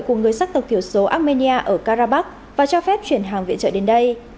của người sắc tộc thiểu số armenia ở karabakh và cho phép chuyển hàng viện trợ đến đây